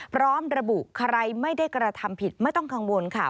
พร้อมระบุใครไม่ได้กระทำผิดไม่ต้องกังวลค่ะ